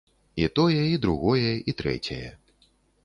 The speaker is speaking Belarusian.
І тое, і другое, і трэцяе.